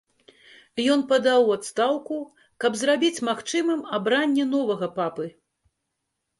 Ён падаў у адстаўку, каб зрабіць магчымым абранне новага папы.